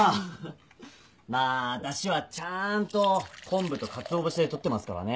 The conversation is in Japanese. まあだしはちゃんとコンブとかつお節でとってますからね。